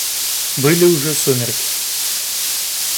Были уже сумерки.